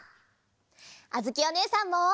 あづきおねえさんも。